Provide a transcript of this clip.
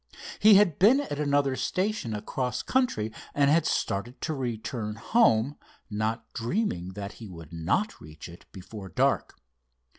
He had been at another station across country, and had started to return home, not dreaming that he could not reach it before dark.